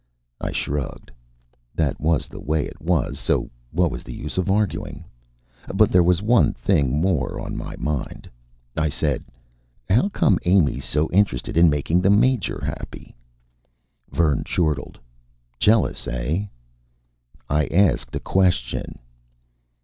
I shrugged. That was the way it was, so what was the use of arguing? But there was one thing more on my mind. I said: "How come Amy's so interested in making the Major happy?" Vern chortled. "Jealous, eh?" "I asked a question!"